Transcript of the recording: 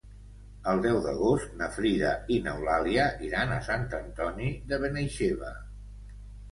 El deu d'agost na Frida i n'Eulàlia iran a Sant Antoni de Benaixeve.